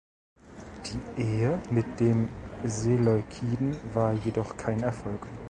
Die Ehe mit dem Seleukiden war jedoch kein Erfolg.